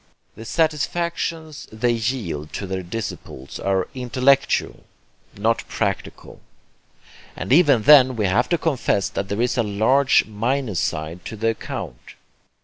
The satisfactions they yield to their disciples are intellectual, not practical; and even then we have to confess that there is a large minus side to the account.